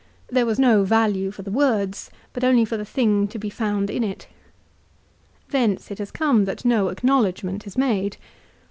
There was no value for the words, but only for the thing to be found in it. Thence it has come that no acknowledgment is made.